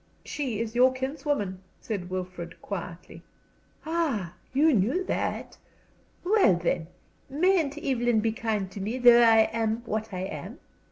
"She is your kinswoman," said Wilfrid, quietly. "Ah, you knew that! Well, then, mayn't Evelyn be kind to me, though I am what I am?